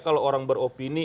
kalau orang beropini